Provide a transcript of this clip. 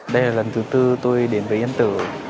đây là lần thứ tư tôi đến với nhân tử